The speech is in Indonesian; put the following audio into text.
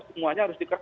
semuanya harus dikatakan